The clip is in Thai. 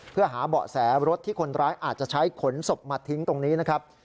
เพื่อหาเบาะแสรถที่คนร้ายอาจจะใช้ขนศพมาทิ้งตรงนี้นะครับ